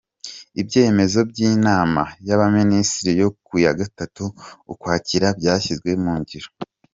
Ibyemezo by’Inama y’Abaminisitiri yo ku ya gatatu ukwakira byashyizwe mungiro